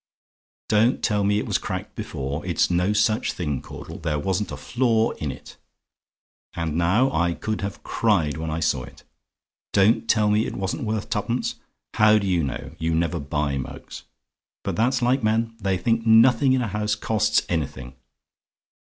Don't tell me it was cracked before it's no such thing, Caudle; there wasn't a flaw in it and now, I could have cried when I saw it. Don't tell me it wasn't worth twopence. How do you know? You never buy mugs. But that's like men; they think nothing in a house costs anything.